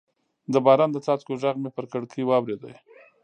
د باران د څاڅکو غږ مې پر کړکۍ واورېد.